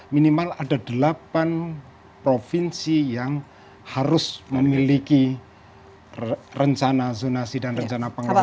minimal ada delapan provinsi yang harus memiliki rencana zonasi dan rencana pengelolaan